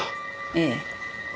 ええ。